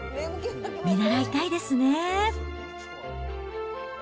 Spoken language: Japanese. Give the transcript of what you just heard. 見習いたいですね。